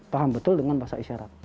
paham betul dengan bahasa isyarat